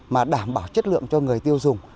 mà đảm bảo chất lượng cho người tiêu dùng